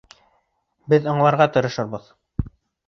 Беҙ аңларға тырышырбыҙ.